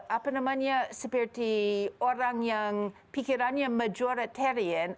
apa namanya seperti orang yang pikirannya majoritarian